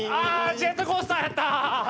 ジェットコースターやった！